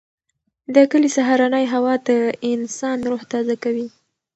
د کلي سهارنۍ هوا د انسان روح تازه کوي.